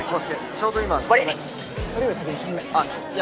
ちょうど今悪いそれより先に小便あっいや